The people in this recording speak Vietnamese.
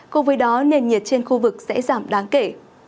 cùng với đó nền nhiệt trên khu vực sẽ giảm đáng kể